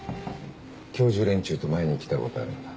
教授連中と前に来たことあるんだ。